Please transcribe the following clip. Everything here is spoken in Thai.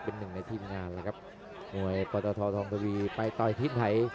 เป็นหนึ่งในทีมงานนะครับมวยปธทองทวีไปต่อยที่ไหน